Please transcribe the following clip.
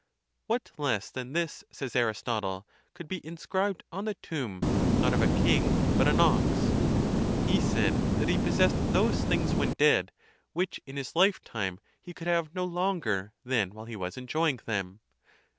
' "What less than this," says Aristotle, "could 'be in scribed on the tomb, not of a king, but an ox?" He said that he possessed those things when dead, which, in his lifetime, he could have no longer than while he was enjoy ing them.